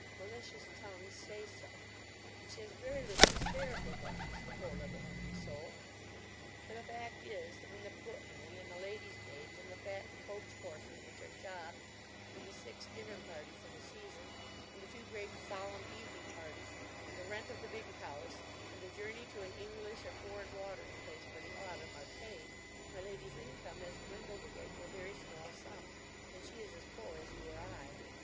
Malicious tongues say so; but she has very little to spare for buns, the poor little hungry soul! For the fact is, that when the footmen, and the ladies' maids, and the fat coach horses, which are jobbed, and the six dinner parties in the season, and the two great solemn evening parties, and the rent of the big house, and the journey to an English or foreign watering place for the autumn, are paid, my lady's income has dwindled away to a very small sum, and she is as poor as you or I.